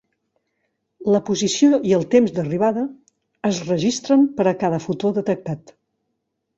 La posició i el temps d'arribada es registren per a cada fotó detectat.